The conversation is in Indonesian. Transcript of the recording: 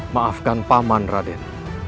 maafkan paman raden